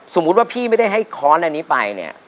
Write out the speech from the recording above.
สมมุติว่าพี่ไม่ได้ให้ค้อนอันนี้ไปเนี่ย